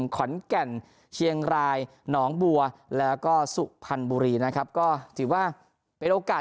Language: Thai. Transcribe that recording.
ขอนแก่นเชียงรายหนองบัวแล้วก็สุพรรณบุรีนะครับก็ถือว่าเป็นโอกาส